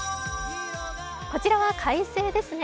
こちらは快晴ですね。